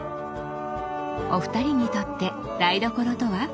お二人にとって台所とは？